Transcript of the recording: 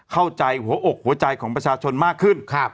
เข้าใจหัวอกหัวใจของประชาชนมากขึ้น